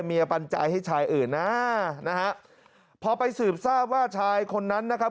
ปัญญาให้ชายอื่นนะนะฮะพอไปสืบทราบว่าชายคนนั้นนะครับ